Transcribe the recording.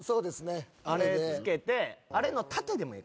あれ着けて。